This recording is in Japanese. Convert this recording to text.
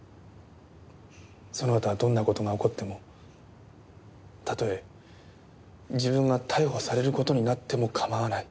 そのあとはどんな事が起こってもたとえ自分が逮捕される事になっても構わない。